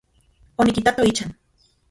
Onikitato ichan.